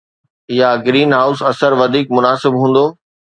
يا greenhouse اثر وڌيڪ مناسب هوندو